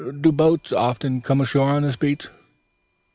Do boats often come ashore on this beach?"